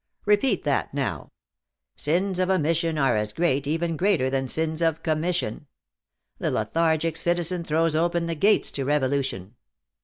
Repeat that, now. 'Sins of omission are as great, even greater than sins of commission. The lethargic citizen throws open the gates to revolution.'